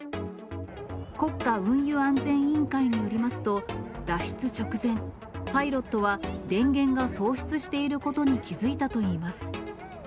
国家運輸安全委員会によりますと、脱出直前、パイロットは電源が喪失していることに気付いたといいます。